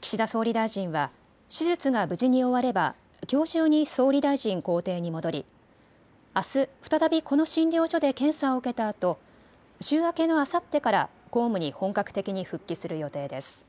岸田総理大臣は手術が無事に終わればきょう中に総理大臣公邸に戻りあす再びこの診療所で検査を受けたあと、週明けのあさってから公務に本格的に復帰する予定です。